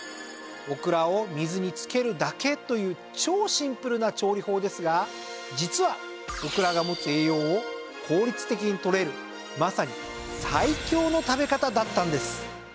オクラを水に浸けるだけという超シンプルな調理法ですが実はオクラが持つ栄養を効率的にとれるまさに最強の食べ方だったんです。